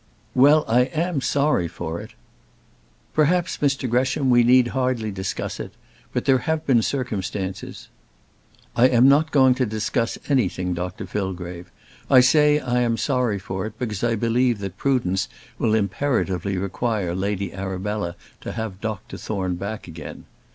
"Well, I am sorry for it " "Perhaps, Mr Gresham, we need hardly discuss it; but there have been circumstances " "I am not going to discuss anything, Dr Fillgrave; I say I am sorry for it, because I believe that prudence will imperatively require Lady Arabella to have Doctor Thorne back again.